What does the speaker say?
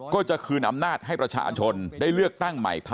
ก็จะคืนอำนาจให้ประชาชนได้เลือกตั้งใหม่